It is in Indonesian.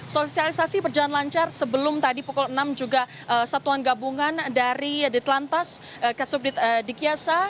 sosialisasi berjalan lancar sebelum tadi pukul enam juga satuan gabungan dari ditlantas ke subdit dikiasa